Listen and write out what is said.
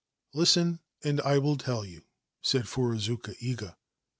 ' Listen, and I will tell you/ said Furuzuka Iga.